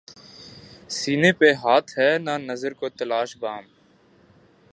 سینے پہ ہاتھ ہے نہ نظر کو تلاش بام